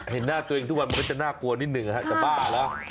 เห็นหน้าตัวเองทุกวันมันก็จะน่ากลัวนิดหนึ่งจะบ้าแล้ว